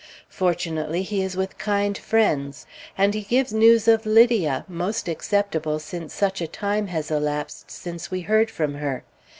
Fortunately he is with kind friends. And he gives news of Lydia, most acceptable since such a time has elapsed since we heard from her....